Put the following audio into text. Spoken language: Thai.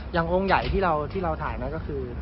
อย่างองค์ใหญ่ที่เราถ่ายไว้ก็คือ